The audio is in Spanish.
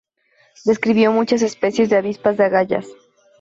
Describió muchas especies de avispas de agallas.